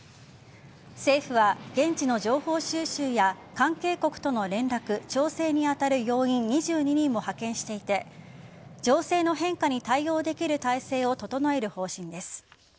政府は現地の情報収集や関係国との連絡調整に当たる要員２２人も派遣していて情勢の変化に対応できる態勢を整える方針です。